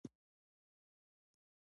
جرأت د نوښت دروازه ده.